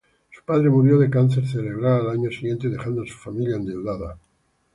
Su padre murió de cáncer cerebral al año siguiente, dejando a su familia endeudada.